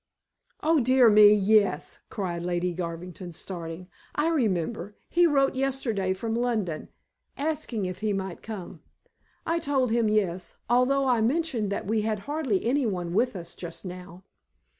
"Oh, dear me, yes," cried Lady Garvington, starting. "I remember. He wrote yesterday from London, asking if he might come. I told him yes, although I mentioned that we had hardly anyone with us just now."